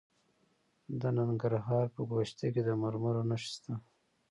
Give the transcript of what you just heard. د ننګرهار په ګوشته کې د مرمرو نښې شته.